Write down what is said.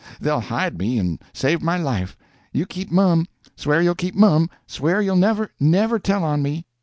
They'll hide me and save my life. You keep mum. Swear you'll keep mum—swear you'll never, never tell on me.